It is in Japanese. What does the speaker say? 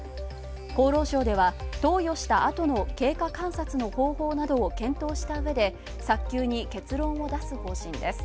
厚労省では投与したあとの経過観察の方法などを検討したうえで早急に結論を出す方針です。